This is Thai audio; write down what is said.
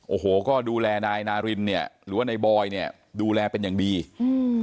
โอ้โหก็ดูแลนายนารินเนี่ยหรือว่านายบอยเนี้ยดูแลเป็นอย่างดีอืม